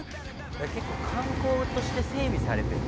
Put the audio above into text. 「結構観光として整備されてるんだね」